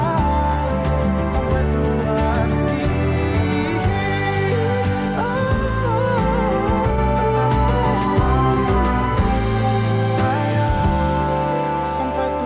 sampai tua nanti